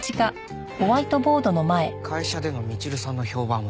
会社でのみちるさんの評判は？